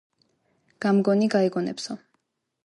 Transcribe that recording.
გამგონი გაიგონებსო.